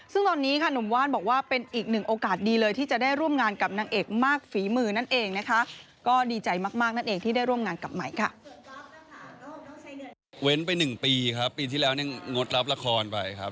ซึ่งตอนนี้ค่ะหนุ่มว่านบอกว่าเป็นอีกหนึ่งโอกาสดีเลยที่จะได้ร่วมงานกับนางเอกมากฝีมือนั่นเองนะคะ